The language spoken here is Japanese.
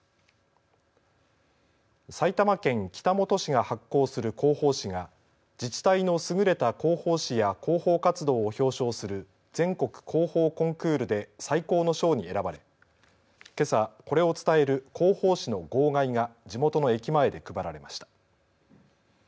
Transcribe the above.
埼玉県北本市が発行する広報紙が自治体の優れた広報紙や広報活動を表彰する全国広報コンクールで最高の賞に選ばれけさ、これを伝える広報紙の号外が地元の駅前で配られました。